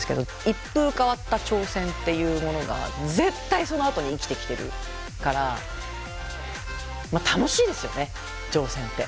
一風変わった挑戦っていうものが絶対そのあとに生きてきてるから楽しいですよね挑戦って。